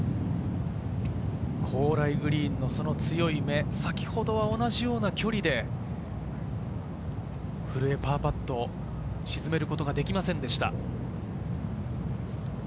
高麗グリーンの強い目、先ほどは同じような距離で古江はパーパット、沈めることができませんでした。